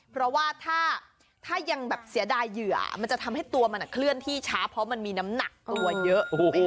เพราะว่าถ้ายังแบบเสียดายเหยื่อมันจะทำให้ตัวมันเคลื่อนที่ช้าเพราะมันมีน้ำหนักตัวเยอะ